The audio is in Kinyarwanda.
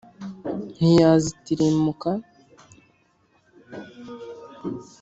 Ntiyazitirimuka ho ngo agende